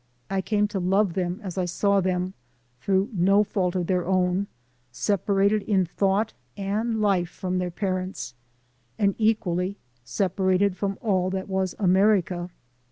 I came to love them as I saw them, through no fault of their own, separated in thought and life from their parents, and equally separated from all that was America.